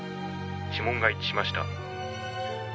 「指紋が一致しました」